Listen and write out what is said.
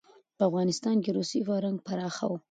په افغانستان کې روسي فرهنګ پراخه و.